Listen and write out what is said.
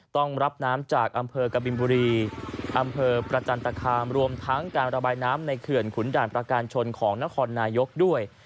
ต้องรับน้ำจากอำเภอกบินบุรีอำเภอประจันตคามรวมทั้งการระบายน้ำในเขื่อนขุนด่านประการชนของนครนายกด้วย